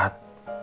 buat mbak andin